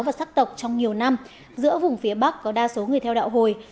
và sắc tộc trong nhiều năm giữa vùng phía bắc có đa số người theo đạo hồi